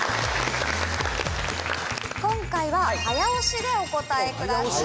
今回は早押しでお答えください。